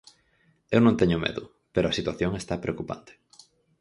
Eu non teño medo, pero a situación está preocupante.